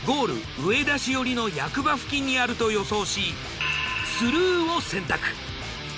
上田市寄りの役場付近にあると予想しスルーを選択。